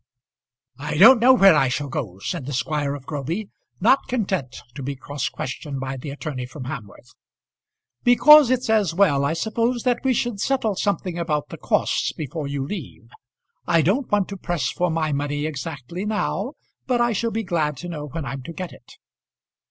"I don't know where I shall go!" said the squire of Groby, not content to be cross questioned by the attorney from Hamworth. "Because it's as well, I suppose, that we should settle something about the costs before you leave. I don't want to press for my money exactly now, but I shall be glad to know when I'm to get it."